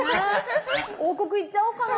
王国行っちゃおうかな。